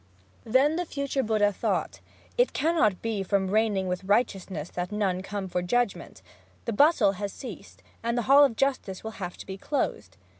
Then the future Buddha thought, "It cannot be from my reigning with righteousness that none come for judgment; the bustle has ceased, and the Hall of Justice will have to be closed.